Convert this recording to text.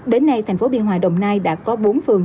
đến nay thành phố biên hòa đồng nai đã có bốn phường